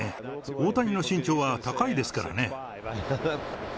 大谷の身長は高いですからね。